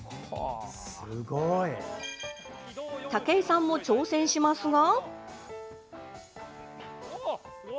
武井さんも挑戦しますが。